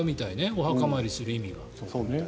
お墓参りする意味が。